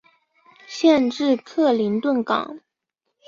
县治克林顿港。